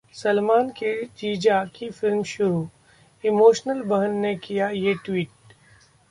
सलमान के जीजा की फिल्म शुरू, इमोशनल बहन ने किया ये Tweet